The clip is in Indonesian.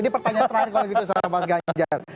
ini pertanyaan terakhir kalau gitu sama mas ganjar